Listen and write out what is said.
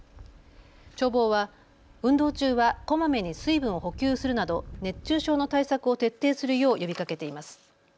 消防は運動中はこまめに水分を補給するなど熱中症の対策を徹底するよう呼びかけています。